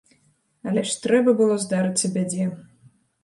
Але ж трэба было здарыцца бядзе.